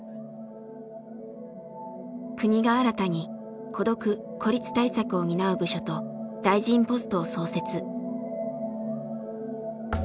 国が新たに孤独・孤立対策を担う部署と大臣ポストを創設。